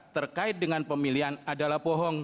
terkait dengan pemilihan adalah bohong